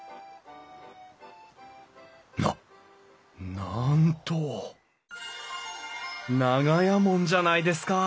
ななんと長屋門じゃないですか！